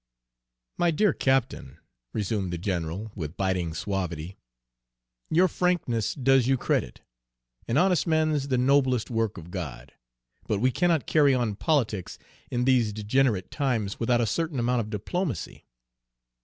"My dear captain," resumed the general, with biting suavity, "your frankness does you credit, 'an honest man's the noblest work of God,' but we cannot carry on politics in these degenerate times without a certain amount of diplomacy.